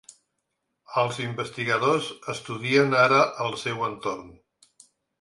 Els investigadors estudien ara el seu entorn.